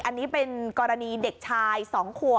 อันนี้เป็นกรณีเด็กชาย๒ขวบ